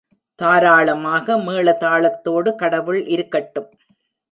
தாராளமாக மேள தாளத்தோடு கடவுள் இருக்கட்டும்!